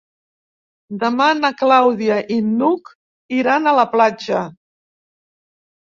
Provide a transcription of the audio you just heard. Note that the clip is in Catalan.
Demà na Clàudia i n'Hug iran a la platja.